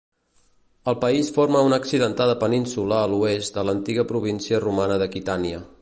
El país forma una accidentada península a l'oest de l'antiga província romana d'Aquitània.